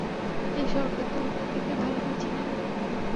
এই শহরকে তোর থেকে ভালো কেউ চেনে না।